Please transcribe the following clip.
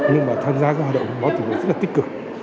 nhưng mà tham gia các hoạt động máu tự nhiên rất là tích cực